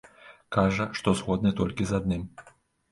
Кажа, што згодны толькі з адным.